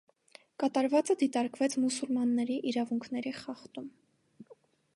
Կատարվածը դիտարկվեց մուսուլմանների իրավունքների խախտում։